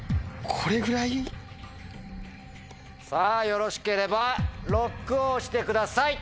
さぁよろしければＬＯＣＫを押してください。